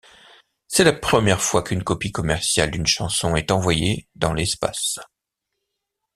C'est la première fois qu'une copie commerciale d'une chanson est envoyée dans l'espace.